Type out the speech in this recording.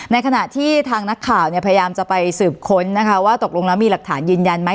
ในขณะที่ทางนักข่าวพยายามจะไปสืบค้นนะคะว่าตกลงแล้วมีหลักฐานยืนยันไหม